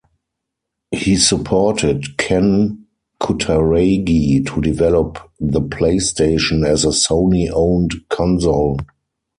He supported Ken Kutaragi to develop the PlayStation as a Sony-owned console.